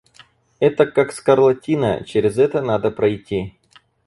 Это как скарлатина, чрез это надо пройти.